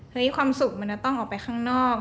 ความสุขมันจะต้องออกไปข้างนอก